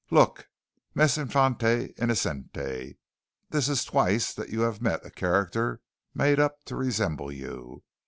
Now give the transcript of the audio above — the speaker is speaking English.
"Look, mes infante innocente, this is twice that you've met a character made up to resemble you.